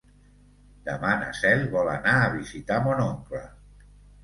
Demà na Cel vol anar a visitar mon oncle.